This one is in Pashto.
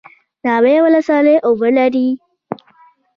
ناوې ولسوالۍ اوبه لري؟